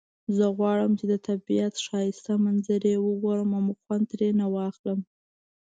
زه غواړم چې د طبیعت ښایسته منظری وګورم او خوند ترینه واخلم